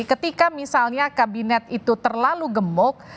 ketika misalnya kabinet itu terlalu gemuk